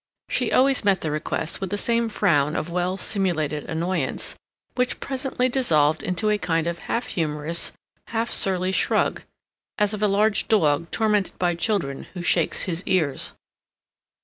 She always met the request with the same frown of well simulated annoyance, which presently dissolved in a kind of half humorous, half surly shrug, as of a large dog tormented by children who shakes his ears.